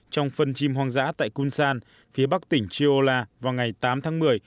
trong phân chim hoang dã tại kunsan phía bắc tỉnh chiola vào ngày tám tháng một mươi